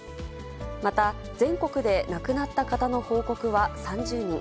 また、全国で亡くなった方の報告は３０人。